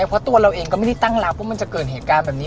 เพราะตัวเราเองก็ไม่ได้ตั้งรับว่ามันจะเกิดเหตุการณ์แบบนี้